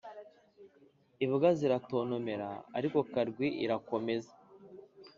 imbwa ziratontomera, ariko karwi irakomeza.